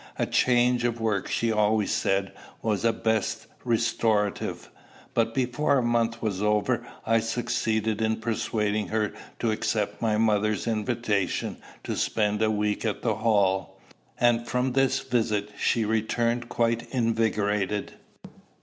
A change of work, she always said, was the best restorative. But before a month was over I succeeded in persuading her to accept my mother's invitation to spend a week at the Hall; and from this visit she returned quite invigorated.